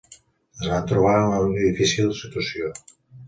Es van trobar a una situació difícil.